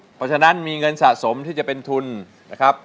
เพราะฉะนั้นมีเงินสะสมที่จะเป็นทุนนะครับ